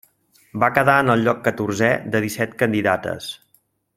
Va quedar en el lloc catorzè de disset candidates.